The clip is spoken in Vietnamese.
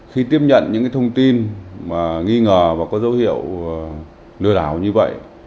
khi tiếp nhận những thông tin nghi ngờ và có dấu hiệu lừa đảo như vậy